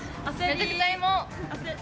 めちゃくちゃ芋。